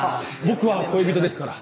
僕は恋人ですから。